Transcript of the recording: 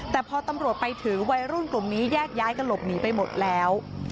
แต่พอตำรวจไปถึงวัยรุ่นกลุ่มนี้แยกย้ายกันหลบหนีไปหมดแล้ว